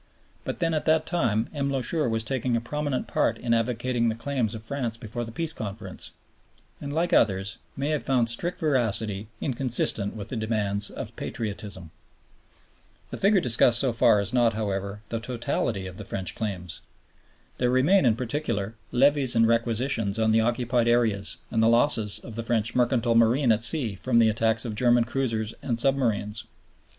But then at that time M. Loucheur was taking a prominent part in advocating the claims of France before the Peace Conference, and, like others, may have found strict veracity inconsistent with the demands of patriotism. The figure discussed so far is not, however, the totality of the French claims. There remain, in particular, levies and requisitions on the occupied areas and the losses of the French mercantile marine at sea from the attacks of German cruisers and submarines.